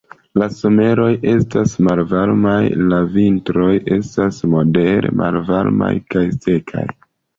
La someroj estas varmegaj, la vintroj estas modere malvarmaj kaj sekaj.